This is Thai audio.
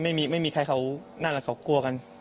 ไม่มีใครเขานั่นแหละเขากลัวกัน